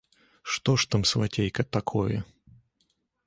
Што ж там, свацейка, такое?